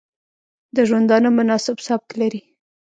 د ژوندانه مناسب سبک لري